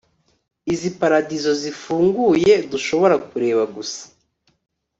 Izi paradizo zifunguye dushobora kureba gusa